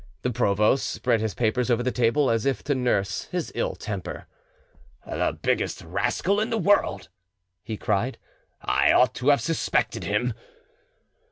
The provost spread his papers over the table, as if to nurse his ill temper. "The biggest rascal in the world!" he cried; "I ought to have suspected him."